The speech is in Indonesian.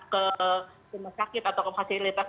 ke rumah sakit atau ke fasilitas